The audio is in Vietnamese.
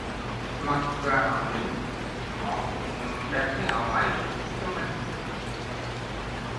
Mặc áo khính ngó cũng đẹp như áo may cho mình